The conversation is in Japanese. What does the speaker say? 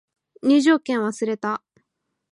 入場券忘れた